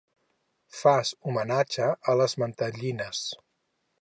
Fas homenatge a les mantellines.